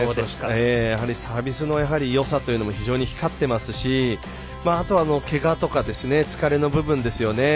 やはりサービスのよさというのも非常に光っていますしあとは、けがとか疲れの部分ですよね。